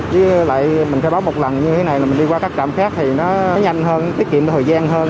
với lại mình khai báo một lần như thế này mà mình đi qua các trạm khác thì nó nhanh hơn tiết kiệm thời gian hơn